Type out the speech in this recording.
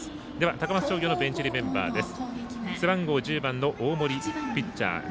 高松商業のベンチ入りメンバーです。